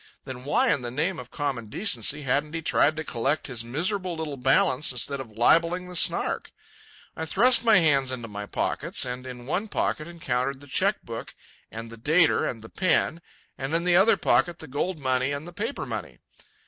Then why in the name of common decency hadn't he tried to collect his miserable little balance instead of libelling the Snark? I thrust my hands into my pockets, and in one pocket encountered the cheque hook and the dater and the pen, and in the other pocket the gold money and the paper money.